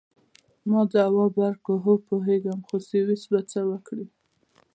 ما ځواب ورکړ: هو، پوهیږم، خو سویس به څه وکړي؟